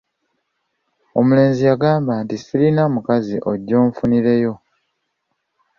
Omulenzi yamugamba nti, “sirina mukazi, ojje onfunireyo”.